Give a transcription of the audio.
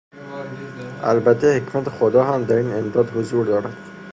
البته حکمت خدا هم در این امداد حضور دارد.